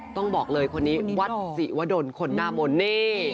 ต้องบอกเลยคนนี้วัดศรีวดลคนหน้ามนต์นี่